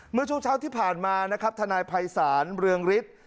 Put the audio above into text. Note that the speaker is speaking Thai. เมื่อช่วงเช้าที่ผ่านมานะครับทนายภัยศาลเรืองฤทธิ์